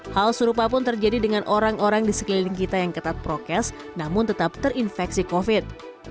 hal serupa pun terjadi dengan orang orang di sekeliling kita yang ketat prokes namun tetap terinfeksi covid